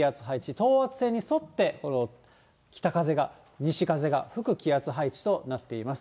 等圧線に沿って、北風が、西風が吹く気圧配置となっています。